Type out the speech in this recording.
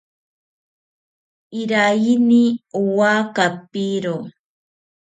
Iraiyini owa kapiro